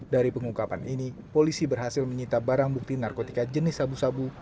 dari pengungkapan ini polisi berhasil menyita barang bukti narkotika jenis sabu sabu